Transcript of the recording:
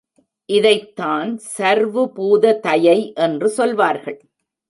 இதைத்தான் சர்வுபூத தயை என்று சொல்வார்கள்.